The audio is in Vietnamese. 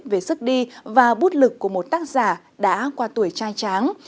về sức đi và bút lực của một tác giả đã qua tuổi trai tráng